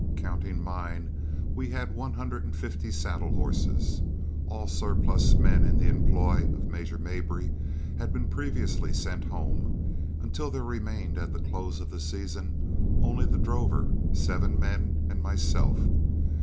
Counting mine, we had one hundred and fifty saddle horses. All surplus men in the employ of Major Mabry had been previously sent home until there remained at the close of the season only the drover, seven men, and myself.